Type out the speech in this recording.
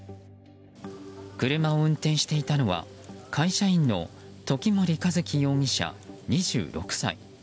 車を運転していたのは会社員の時森一輝容疑者、２６歳。